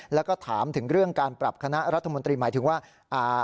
แล้วก็ถามถึงเรื่องการปรับคณะรัฐมนตรีหมายถึงว่า